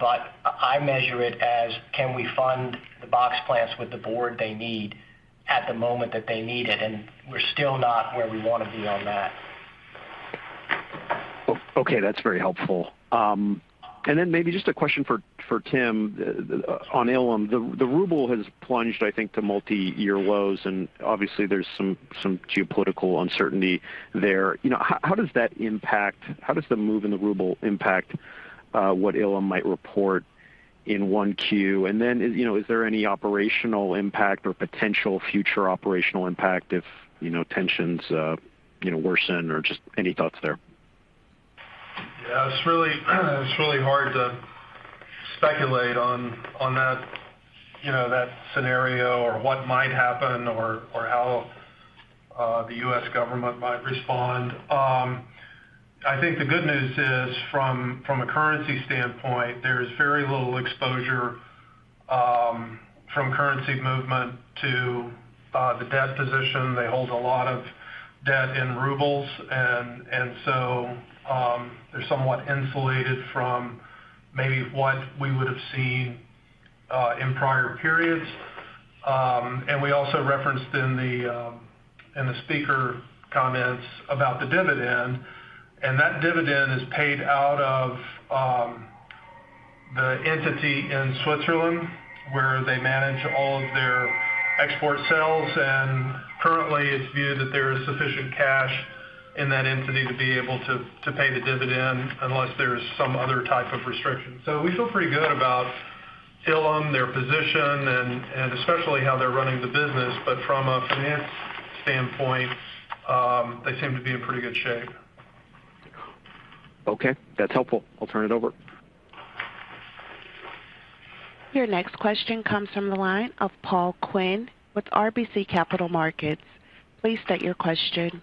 but I measure it as can we fund the box plants with the board they need at the moment that they need it, and we're still not where we wanna be on that. Okay, that's very helpful. Maybe just a question for Tim on Ilim. The ruble has plunged, I think, to multi-year lows, and obviously there's some geopolitical uncertainty there. You know, how does the move in the ruble impact what Ilim might report in 1Q? And then, you know, is there any operational impact or potential future operational impact if tensions worsen or just any thoughts there? Yeah, it's really hard to speculate on that, you know, that scenario or what might happen or how the U.S. government might respond. I think the good news is from a currency standpoint, there's very little exposure from currency movement to the debt position. They hold a lot of debt in rubles, and so they're somewhat insulated from maybe what we would have seen in prior periods. We also referenced in the speaker comments about the dividend, and that dividend is paid out of the entity in Switzerland where they manage all of their export sales. Currently it's viewed that there is sufficient cash in that entity to be able to pay the dividend unless there's some other type of restriction. We feel pretty good about Ilim, their position, and especially how they're running the business. From a finance standpoint, they seem to be in pretty good shape. Okay, that's helpful. I'll turn it over. Your next question comes from the line of Paul Quinn with RBC Capital Markets. Please state your question.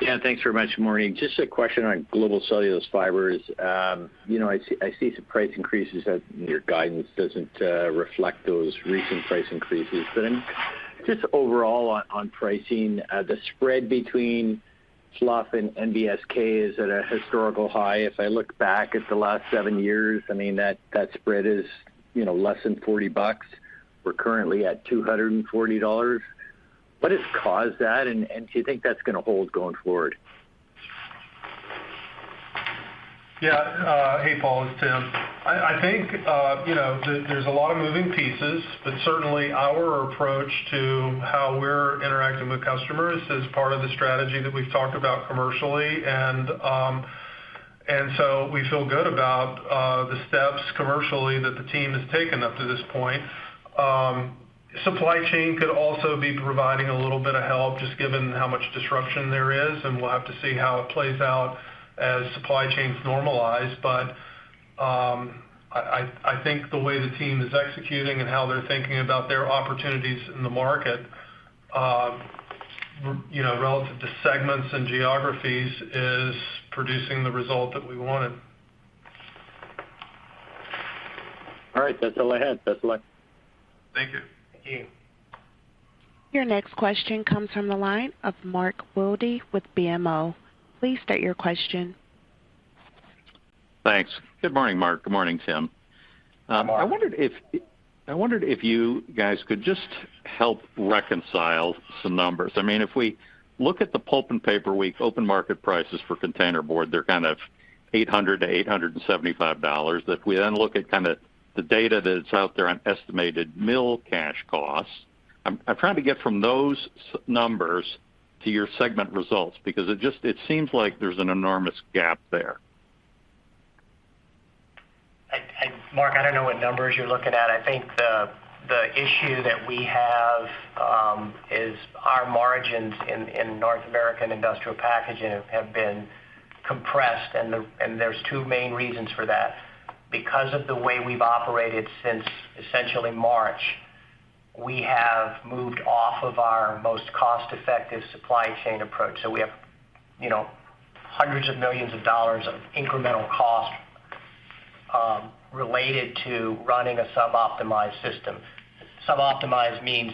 Yeah, thanks very much, Angie. Just a question on global cellulose fibers. You know, I see some price increases that your guidance doesn't reflect those recent price increases. Just overall on pricing, the spread between fluff and NBSK is at a historical high. If I look back at the last seven years, I mean, that spread is, you know, less than $40. We're currently at $240. What has caused that? Do you think that's gonna hold going forward? Yeah. Hey, Paul, it's Tim. I think, you know, there's a lot of moving pieces, but certainly our approach to how we're interacting with customers is part of the strategy that we've talked about commercially. We feel good about the steps commercially that the team has taken up to this point. Supply chain could also be providing a little bit of help just given how much disruption there is, and we'll have to see how it plays out as supply chains normalize. I think the way the team is executing and how they're thinking about their opportunities in the market, you know, relative to segments and geographies, is producing the result that we wanted. All right. That's all I had. Best of luck. Thank you. Thank you. Your next question comes from the line of Mark Wilde with BMO. Please state your question. Thanks. Good morning, Mark. Good morning, Tim. Good morning. I wondered if you guys could just help reconcile some numbers. I mean, if we look at the Pulp & Paper Week open market prices for containerboard, they're kind of $800-$875. If we then look at kind of the data that's out there on estimated mill cash costs, I'm trying to get from those numbers to your segment results because it just seems like there's an enormous gap there. Mark, I don't know what numbers you're looking at. I think the issue that we have is our margins in North American industrial packaging have been compressed, and there's two main reasons for that. Because of the way we've operated since essentially March, we have moved off of our most cost-effective supply chain approach. We have, you know, hundreds of millions of dollars of incremental cost related to running a sub-optimized system. Sub-optimized means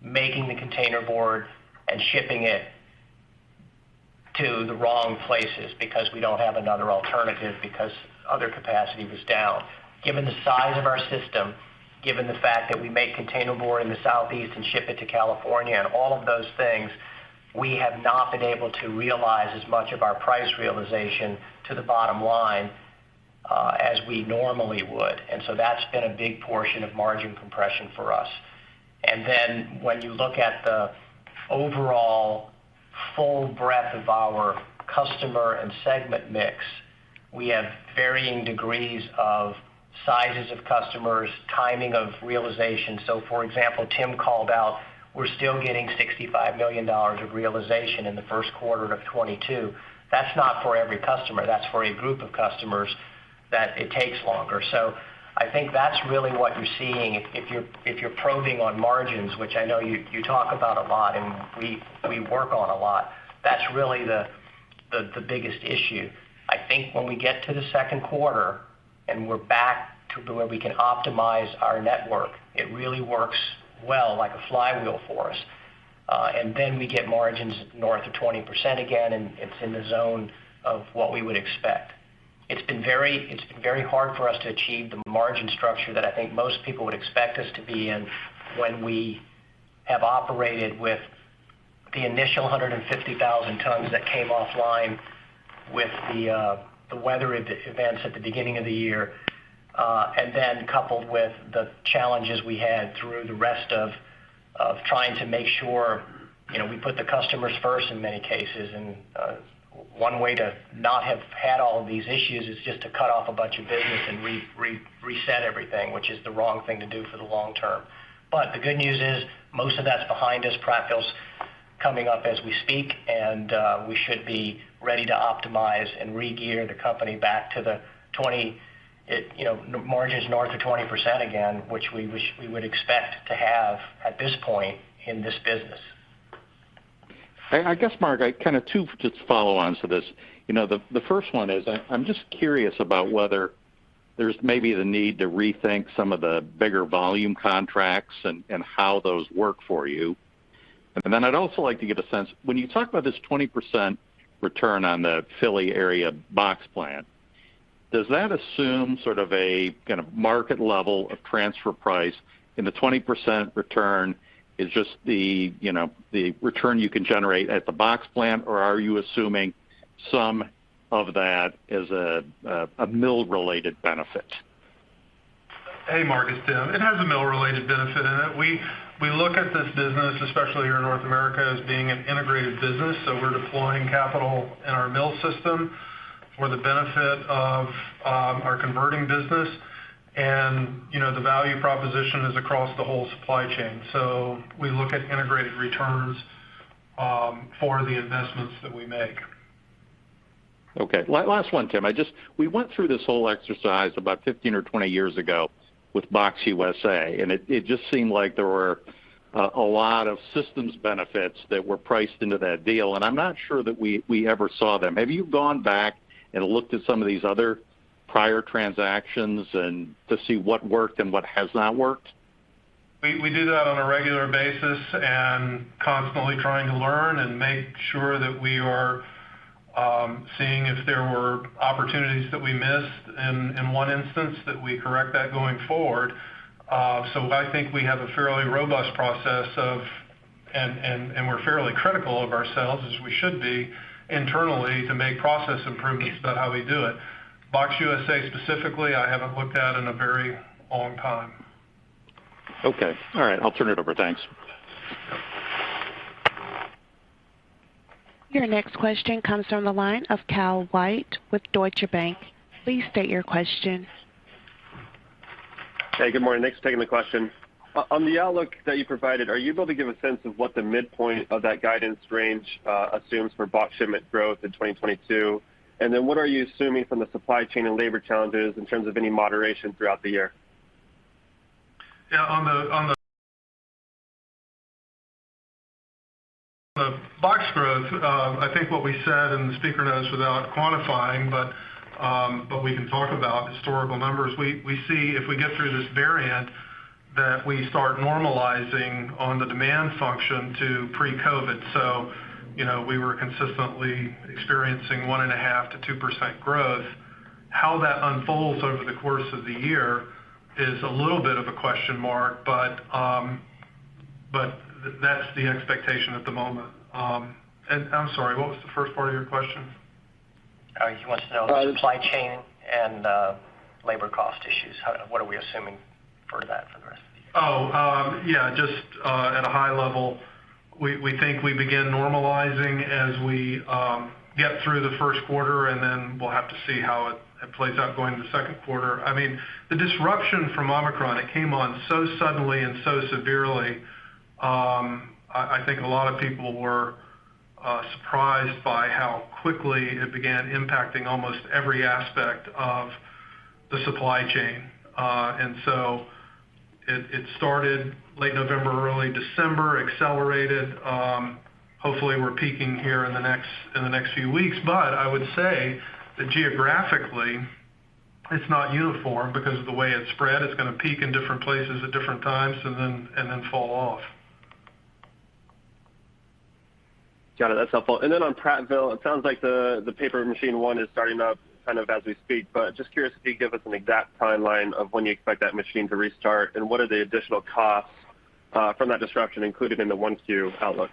making the containerboard and shipping it to the wrong places because we don't have another alternative because other capacity was down. Given the size of our system, given the fact that we make containerboard in the Southeast and ship it to California and all of those things, we have not been able to realize as much of our price realization to the bottom line as we normally would. When you look at the overall full breadth of our customer and segment mix, we have varying degrees of sizes of customers, timing of realization. For example, Tim called out, we're still getting $65 million of realization in the first quarter of 2022. That's not for every customer. That's for a group of customers that it takes longer. I think that's really what you're seeing if you're probing on margins, which I know you talk about a lot and we work on a lot. That's really the biggest issue. I think when we get to the second quarter and we're back to where we can optimize our network, it really works well like a flywheel for us. And then we get margins north of 20% again, and it's in the zone of what we would expect. It's been very hard for us to achieve the margin structure that I think most people would expect us to be in when we have operated with the initial 150,000 tons that came offline with the weather events at the beginning of the year and then coupled with the challenges we had through the rest of trying to make sure, you know, we put the customers first in many cases. One way to not have had all of these issues is just to cut off a bunch of business and reset everything, which is the wrong thing to do for the long term. The good news is, most of that's behind us. Prattville is coming up as we speak, and we should be ready to optimize and regear the company back to the 20%, you know, margins north of 20% again, which we would expect to have at this point in this business. I guess, Mark, I kind of too just follow on to this. You know, the first one is I'm just curious about whether there's maybe the need to rethink some of the bigger volume contracts and how those work for you. I'd also like to get a sense, when you talk about this 20% return on the Philly area box plant, does that assume sort of a kind of market level of transfer price, and the 20% return is just the, you know, the return you can generate at the box plant, or are you assuming some of that is a mill-related benefit? Hey, Mark, it's Tim. It has a mill-related benefit in it. We look at this business, especially here in North America, as being an integrated business. We're deploying capital in our mill system for the benefit of our converting business. You know, the value proposition is across the whole supply chain. We look at integrated returns for the investments that we make. Okay. Last one, Tim. We went through this whole exercise about 15 or 20 years ago with Box USA, and it just seemed like there were a lot of systems benefits that were priced into that deal, and I'm not sure that we ever saw them. Have you gone back and looked at some of these other prior transactions to see what worked and what has not worked? We do that on a regular basis and constantly trying to learn and make sure that we are seeing if there were opportunities that we missed in one instance that we correct that going forward. I think we have a fairly robust process, and we're fairly critical of ourselves, as we should be, internally to make process improvements about how we do it. Box USA specifically, I haven't looked at in a very long time. Okay. All right. I'll turn it over. Thanks. Your next question comes from the line of Kyle White with Deutsche Bank. Please state your question. Hey, good morning. Thanks for taking the question. On the outlook that you provided, are you able to give a sense of what the midpoint of that guidance range assumes for box shipment growth in 2022? What are you assuming from the supply chain and labor challenges in terms of any moderation throughout the year? Yeah. On the box growth, I think what we said in the speaker notes without quantifying, but we can talk about historical numbers. We see if we get through this variant, that we start normalizing on the demand function to pre-COVID. You know, we were consistently experiencing 1.5%-2% growth. How that unfolds over the course of the year is a little bit of a question mark, but that's the expectation at the moment. I'm sorry, what was the first part of your question? He wants to know the supply chain and labor cost issues. What are we assuming for that for the rest of the year? Oh, yeah, just at a high level, we think we begin normalizing as we get through the first quarter, and then we'll have to see how it plays out going into the second quarter. I mean, the disruption from Omicron, it came on so suddenly and so severely, I think a lot of people were surprised by how quickly it began impacting almost every aspect of the supply chain. It started late November, early December, accelerated, hopefully we're peaking here in the next few weeks. I would say that geographically it's not uniform because of the way it's spread. It's gonna peak in different places at different times and then fall off. Got it. That's helpful. On Prattville, it sounds like the paper machine 1 is starting up kind of as we speak, but just curious if you'd give us an exact timeline of when you expect that machine to restart, and what are the additional costs from that disruption included in the 1Q outlook?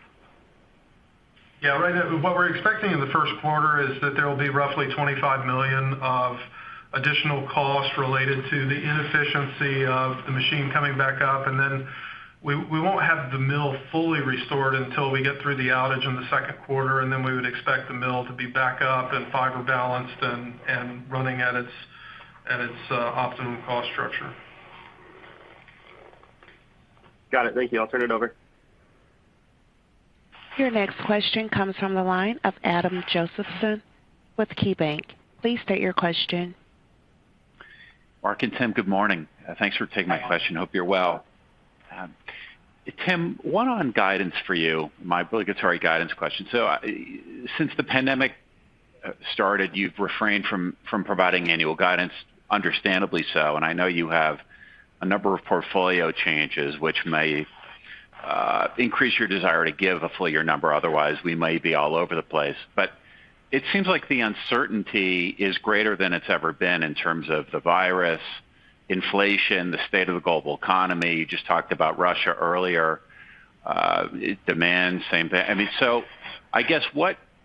Yeah. Right now what we're expecting in the first quarter is that there will be roughly $25 million of additional costs related to the inefficiency of the machine coming back up. We won't have the mill fully restored until we get through the outage in the second quarter, and then we would expect the mill to be back up and fiber balanced and running at its optimum cost structure. Got it. Thank you. I'll turn it over. Your next question comes from the line of Adam Josephson with KeyBanc. Please state your question. Mark and Tim, good morning. Thanks for taking my question. Hope you're well. Tim, one on guidance for you, my obligatory guidance question. Since the pandemic started, you've refrained from providing annual guidance, understandably so, and I know you have a number of portfolio changes which may increase your desire to give a full year number, otherwise we may be all over the place. But it seems like the uncertainty is greater than it's ever been in terms of the virus, inflation, the state of the global economy. You just talked about Russia earlier, demand, same thing. I mean, so I guess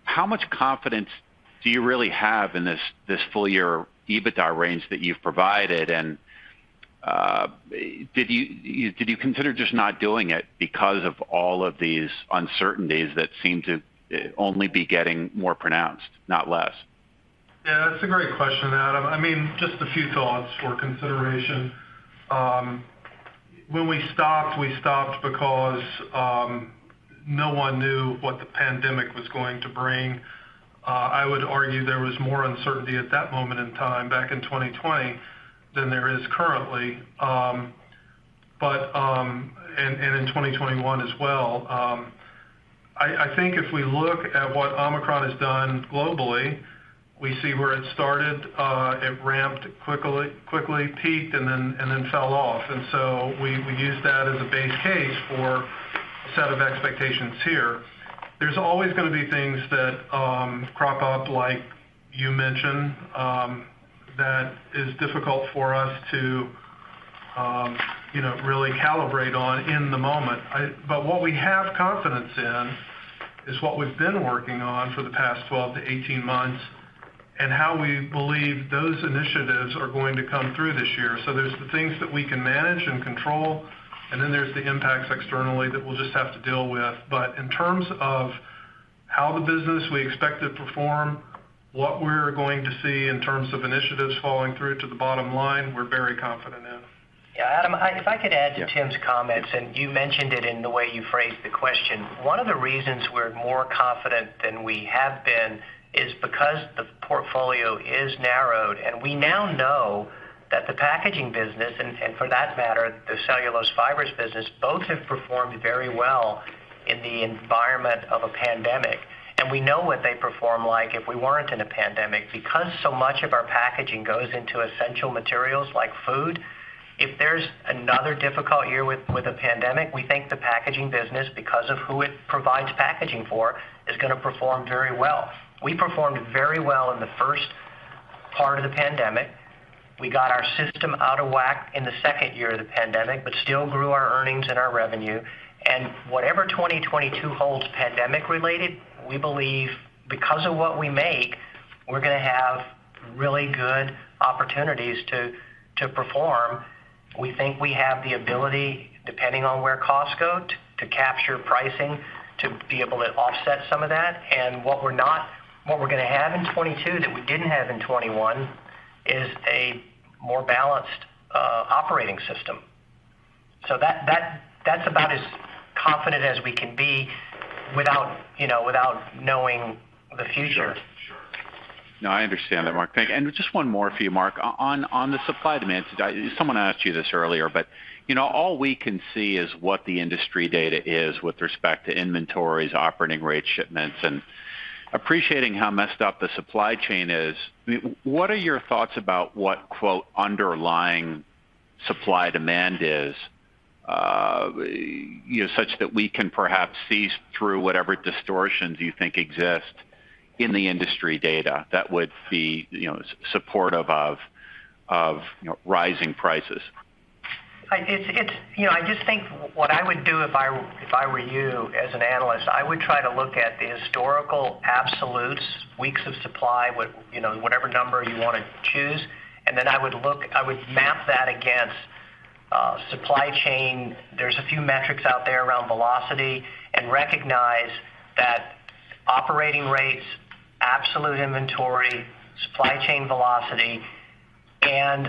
how much confidence do you really have in this full year EBITDA range that you've provided? Did you consider just not doing it because of all of these uncertainties that seem to only be getting more pronounced, not less? Yeah, that's a great question, Adam. I mean, just a few thoughts for consideration. When we stopped, we stopped because no one knew what the pandemic was going to bring. I would argue there was more uncertainty at that moment in time back in 2020 than there is currently, and in 2021 as well. I think if we look at what Omicron has done globally, we see where it started. It ramped quickly, peaked and then fell off. We use that as a base case for a set of expectations here. There's always gonna be things that crop up, like you mentioned, that is difficult for us to you know, really calibrate on in the moment. what we have confidence in is what we've been working on for the past 12-18 months, and how we believe those initiatives are going to come through this year. there's the things that we can manage and control, and then there's the impacts externally that we'll just have to deal with. in terms of how the business we expect to perform, what we're going to see in terms of initiatives falling through to the bottom line, we're very confident in. Yeah, Adam, if I could add to Tim's comments, and you mentioned it in the way you phrased the question. One of the reasons we're more confident than we have been is because the portfolio is narrowed, and we now know that the packaging business, and for that matter, the cellulose fibers business, both have performed very well in the environment of a pandemic. We know what they perform like if we weren't in a pandemic, because so much of our packaging goes into essential materials like food. If there's another difficult year with a pandemic, we think the packaging business, because of who it provides packaging for, is gonna perform very well. We performed very well in the first part of the pandemic. We got our system out of whack in the second year of the pandemic, but still grew our earnings and our revenue. Whatever 2022 holds pandemic related, we believe because of what we make, we're gonna have really good opportunities to perform. We think we have the ability, depending on where costs go, to capture pricing to be able to offset some of that. What we're gonna have in 2022 that we didn't have in 2021 is a more balanced operating system. That's about as confident as we can be without, you know, without knowing the future. Sure. No, I understand that, Mark. Thank you. Just one more for you, Mark. On the supply demand, someone asked you this earlier, but, you know, all we can see is what the industry data is with respect to inventories, operating rate shipments, and appreciating how messed up the supply chain is. What are your thoughts about what, quote, "underlying supply demand" is, you know, such that we can perhaps see through whatever distortions you think exist in the industry data that would be, you know, supportive of rising prices? You know, I just think what I would do if I were you as an analyst. I would try to look at the historical absolutes, weeks of supply, what, you know, whatever number you wanna choose. Then I would map that against supply chain. There's a few metrics out there around velocity and recognize that operating rates, absolute inventory, supply chain velocity, and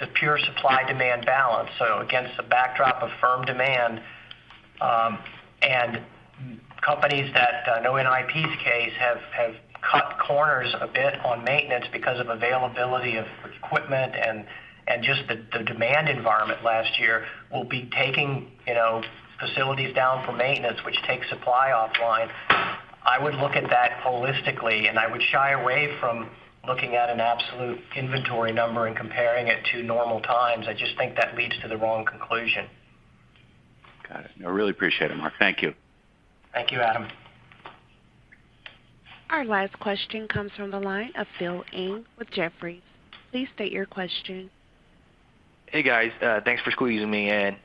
the pure supply-demand balance. Against the backdrop of firm demand, and companies that I know in IP's case have cut corners a bit on maintenance because of availability of equipment and just the demand environment last year will be taking, you know, facilities down for maintenance, which takes supply offline. I would look at that holistically, and I would shy away from looking at an absolute inventory number and comparing it to normal times. I just think that leads to the wrong conclusion. Got it. I really appreciate it, Mark. Thank you. Thank you, Adam. Our last question comes from the line of Phil Ng with Jefferies. Please state your question. Hey, guys. Thanks for squeezing me in.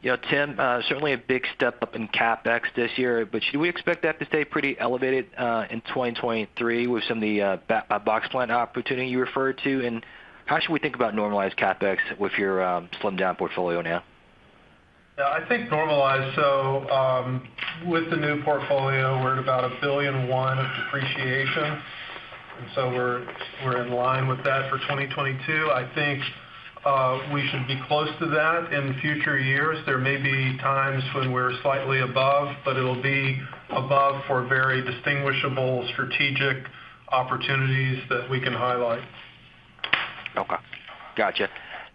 You know, Tim, certainly a big step up in CapEx this year, but should we expect that to stay pretty elevated in 2023 with some of the box plant opportunity you referred to? How should we think about normalized CapEx with your slimmed down portfolio now? Yeah, I think normalized. With the new portfolio, we're at about $1.1 billion of depreciation, and we're in line with that for 2022. I think we should be close to that in future years. There may be times when we're slightly above, but it'll be above for very distinguishable strategic opportunities that we can highlight. Okay. Gotcha.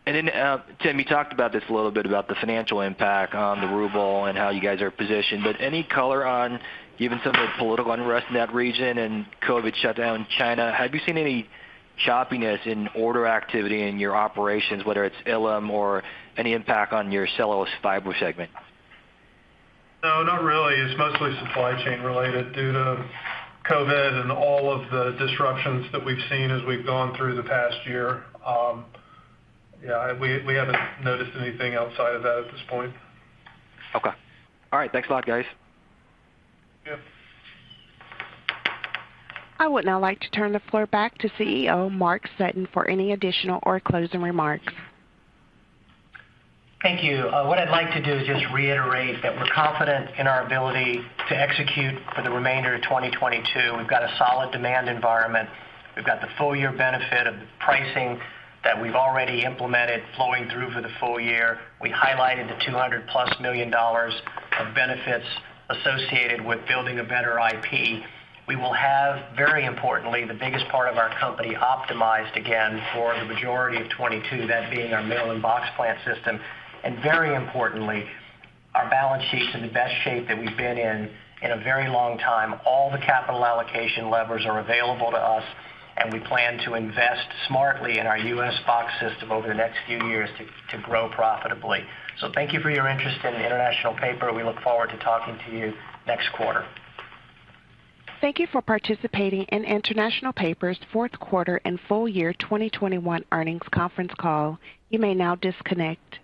Tim, you talked about this a little bit about the financial impact on the ruble and how you guys are positioned. Any color on even some of the political unrest in that region and COVID shutdown in China, have you seen any choppiness in order activity in your operations, whether it's Ilim or any impact on your cellulose fiber segment? No, not really. It's mostly supply chain related due to COVID and all of the disruptions that we've seen as we've gone through the past year. Yeah, we haven't noticed anything outside of that at this point. Okay. All right. Thanks a lot, guys. Yeah. I would now like to turn the floor back to CEO Mark Sutton for any additional or closing remarks. Thank you. What I'd like to do is just reiterate that we're confident in our ability to execute for the remainder of 2022. We've got a solid demand environment. We've got the full year benefit of pricing that we've already implemented flowing through for the full year. We highlighted the $200+ million of benefits associated with Build a Better IP. We will have, very importantly, the biggest part of our company optimized again for the majority of 2022, that being our mill and box plant system. Very importantly, our balance sheet's in the best shape that we've been in in a very long time. All the capital allocation levers are available to us, and we plan to invest smartly in our U.S. box system over the next few years to grow profitably. Thank you for your interest in International Paper. We look forward to talking to you next quarter. Thank you for participating in International Paper's fourth quarter and full year 2021 earnings conference call. You may now disconnect.